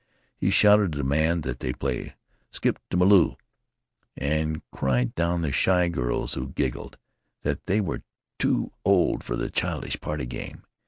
He shouted a demand that they play "Skip to Maloo," and cried down the shy girls who giggled that they were too old for the childish party game.